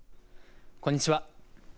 こんにちは。